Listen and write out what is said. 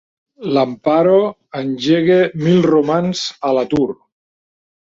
L'Amparo engega mil romans a l'atur.